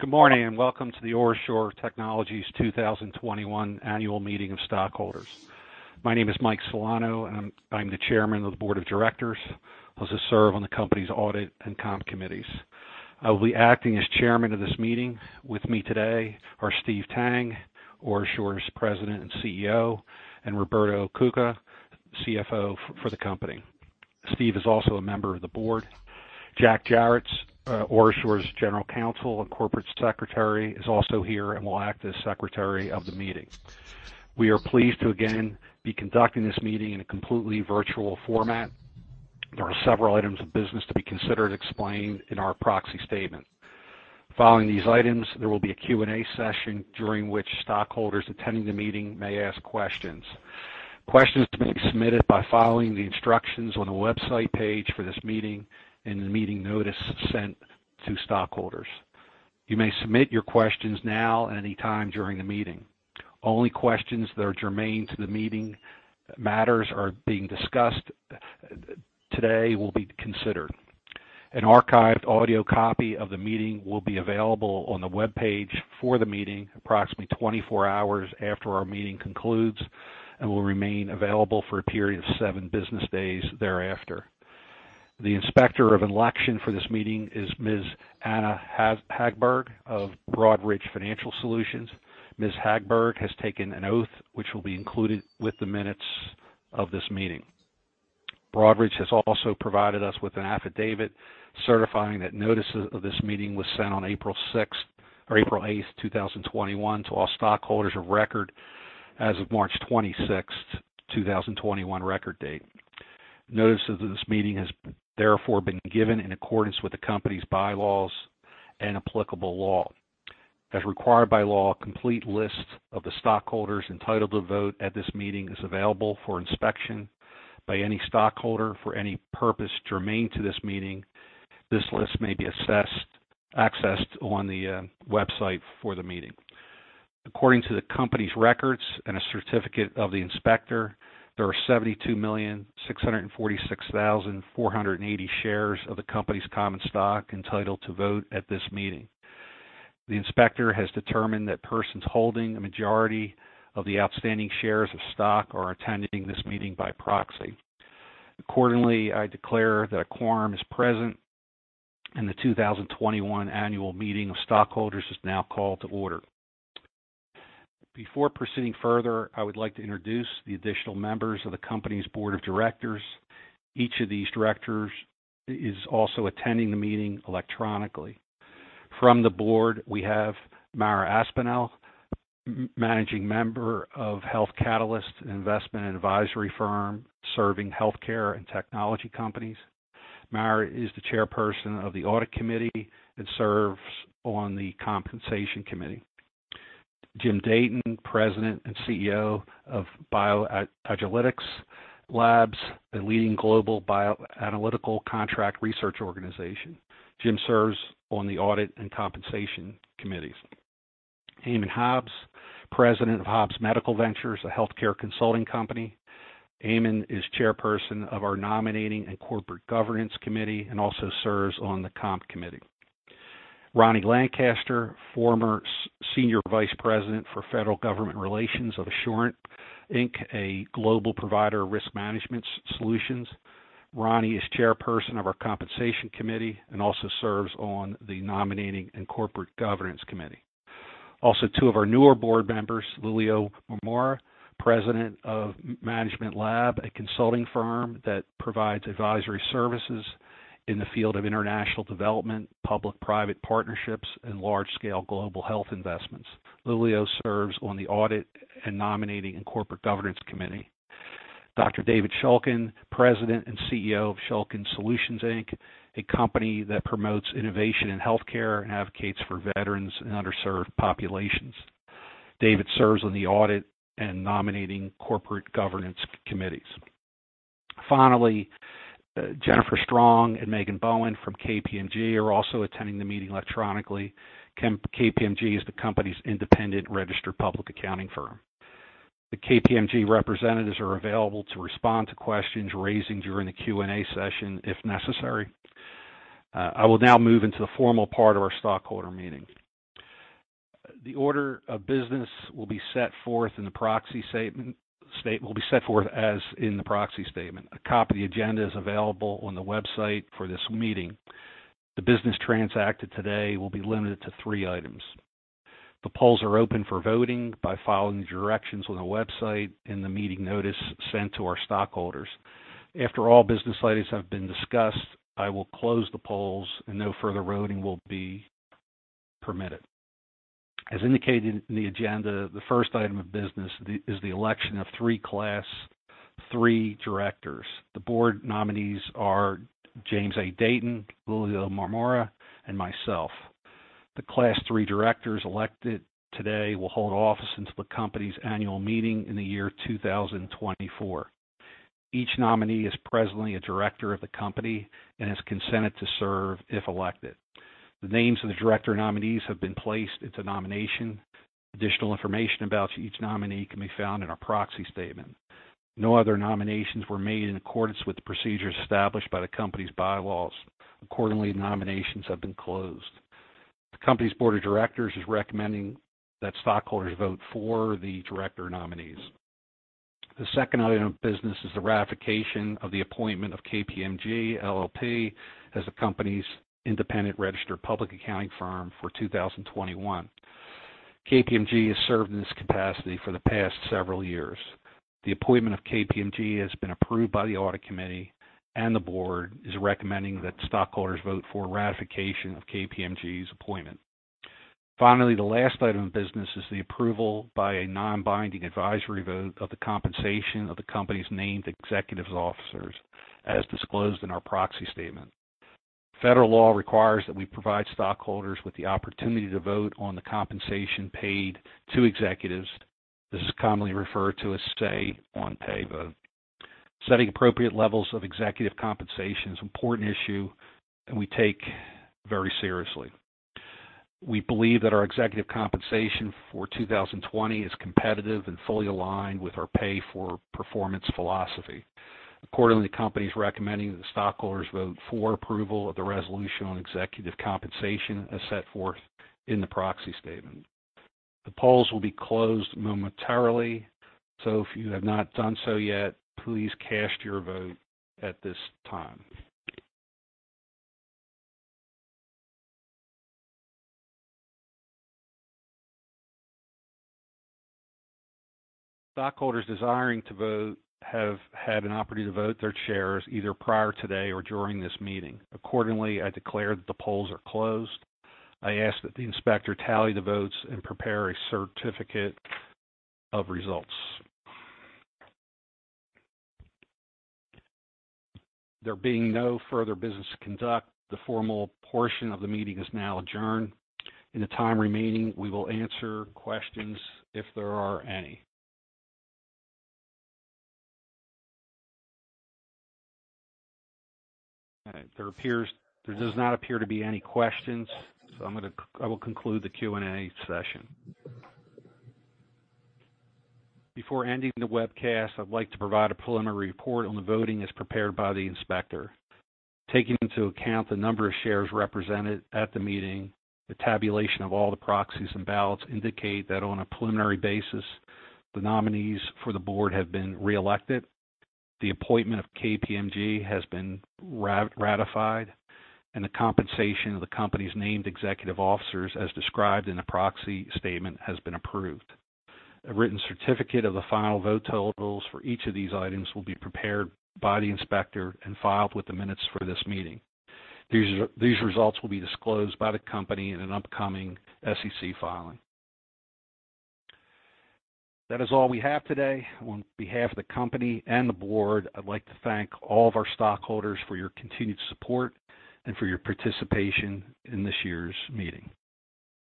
Good morning, welcome to the OraSure Technologies 2021 Annual Meeting of Stockholders. My name is Michael Celano, and I'm the Chairman of the Board of Directors. I also serve on the company's Audit and Comp committees. I will be acting as chairman of this meeting. With me today are Stephen S. Tang, OraSure's President and CEO, and Roberto Cuca, CFO for the company. Stephen is also a member of the board. Jack E. Jerrett, OraSure's General Counsel and Corporate Secretary, is also here and will act as Secretary of the meeting. We are pleased to again be conducting this meeting in a completely virtual format. There are several items of business to be considered explained in our proxy statement. Following these items, there will be a Q&A session during which stockholders attending the meeting may ask questions. Questions can be submitted by following the instructions on the website page for this meeting and in the meeting notice sent to stockholders. You may submit your questions now and at any time during the meeting. Only questions that are germane to the meeting matters that are being discussed today will be considered. An archived audio copy of the meeting will be available on the webpage for the meeting approximately 24 hours after our meeting concludes and will remain available for a period of seven business days thereafter. The Inspector of Election for this meeting is Ms. Anna Hagberg of Broadridge Financial Solutions. Ms. Hagberg has taken an oath which will be included with the minutes of this meeting. Broadridge has also provided us with an affidavit certifying that notice of this meeting was sent on April 6th or April 8th, 2021, to all stockholders of record as of March 26th, 2021, record date. Notice of this meeting has been given in accordance with the company's bylaws and applicable law. As required by law, a complete list of the stockholders entitled to vote at this meeting is available for inspection by any stockholder for any purpose germane to this meeting. This list may be accessed on the website for the meeting. According to the company's records and a certificate of the inspector, there are 72,646,480 shares of the company's common stock entitled to vote at this meeting. The inspector has determined that persons holding a majority of the outstanding shares of stock are attending this meeting by proxy. Accordingly, I declare that a quorum is present and the 2021 Annual Meeting of Stockholders is now called to order. Before proceeding further, I would like to introduce the additional members of the company's board of directors. Each of these directors is also attending the meeting electronically. From the board, we have Mara Aspinall, Managing Member of Health Catalyst, an investment and advisory firm serving healthcare and technology companies. Mara is the Chairperson of the Audit Committee and serves on the Compensation Committee. Jim Datin, President and CEO of BioAgilytix Labs, a leading global bioanalytical contract research organization. Jim serves on the Audit and Compensation Committees. Eamonn Hobbs, President of Hobbs Medical Ventures, a healthcare consulting company. Eamonn is Chairperson of our Nominating and Corporate Governance Committee and also serves on the Comp Committee. Ronny Lancaster, former Senior Vice President for Federal Government Relations of Assurant, Inc., a global provider of risk management solutions. Ronny is Chairperson of our Compensation Committee and also serves on the Nominating and Corporate Governance Committee. Two of our newer board members, Lelio Marmora, President of Management Lab, a consulting firm that provides advisory services in the field of international development, public-private partnerships, and large-scale global health investments. Lelio serves on the Audit and Nominating and Corporate Governance Committee. Dr. David Shulkin, President and CEO of Shulkin Solutions, Inc., a company that promotes innovation in healthcare and advocates for veterans and underserved populations. David serves on the Audit and Nominating Corporate Governance Committees. Finally, Jennifer Strong and Megan Bowen from KPMG are also attending the meeting electronically. KPMG is the company's independent registered public accounting firm. The KPMG representatives are available to respond to questions raised during the Q&A session if necessary. I will now move into the formal part of our stockholder meeting. The order of business will be set forth as in the proxy statement. A copy of the agenda is available on the website for this meeting. The business transacted today will be limited to three items. The polls are open for voting by following the directions on the website and the meeting notice sent to our stockholders. After all business items have been discussed, I will close the polls and no further voting will be permitted. As indicated in the agenda, the first item of business is the election of three Class 3 directors. The board nominees are Jim Datin, Lelio Marmora, and myself. The Class 3 directors elected today will hold office until the company's annual meeting in the year 2024. Each nominee is presently a director of the company and has consented to serve if elected. The names of the director nominees have been placed into nomination. Additional information about each nominee can be found in our proxy statement. No other nominations were made in accordance with the procedures established by the company's bylaws. Accordingly, nominations have been closed. The company's board of directors is recommending that stockholders vote for the director nominees. The second item of business is the ratification of the appointment of KPMG LLP as the company's independent registered public accounting firm for 2021. KPMG has served in this capacity for the past several years. The appointment of KPMG has been approved by the audit committee, and the board is recommending that stockholders vote for ratification of KPMG's appointment. Finally, the last item of business is the approval by a non-binding advisory vote of the compensation of the company's named executive officers as disclosed in our proxy statement. Federal law requires that we provide stockholders with the opportunity to vote on the compensation paid to executives. This is commonly referred to as say on pay vote. Setting appropriate levels of executive compensation is an important issue, and we take it very seriously. We believe that our executive compensation for 2020 is competitive and fully aligned with our pay for performance philosophy. Accordingly, the company is recommending that stockholders vote for approval of the resolution on executive compensation as set forth in the proxy statement. The polls will be closed momentarily, so if you have not done so yet, please cast your vote at this time. Stockholders desiring to vote have had an opportunity to vote their shares either prior today or during this meeting. Accordingly, I declare that the polls are closed. I ask that the inspector tally the votes and prepare a certificate of results. There being no further business to conduct, the formal portion of the meeting is now adjourned. In the time remaining, we will answer questions if there are any. There does not appear to be any questions, so I will conclude the Q&A session. Before ending the webcast, I'd like to provide a preliminary report on the voting as prepared by the inspector. Taking into account the number of shares represented at the meeting, the tabulation of all the proxies and ballots indicate that on a preliminary basis, the nominees for the board have been reelected. The appointment of KPMG has been ratified, and the compensation of the company's named executive officers as described in the proxy statement has been approved. A written certificate of the final vote totals for each of these items will be prepared by the inspector and filed with the minutes for this meeting. These results will be disclosed by the company in an upcoming SEC filing. That is all we have today. On behalf of the company and the board, I'd like to thank all of our stockholders for your continued support and for your participation in this year's meeting.